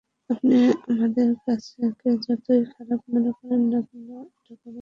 আপনি আমাদের কাজকে যতই খারাপ মনে করেন না কেন, এটা কোনো ব্যাপার না।